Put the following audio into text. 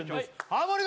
ハモリ